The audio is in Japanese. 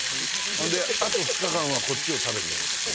ほんであと２日間はこっちを食べて。